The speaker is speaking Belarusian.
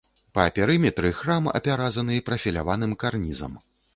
Па перыметры храм апяразаны прафіляваным карнізам.